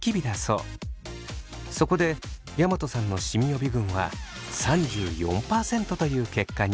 そこで山戸さんのシミ予備軍は３４％という結果に。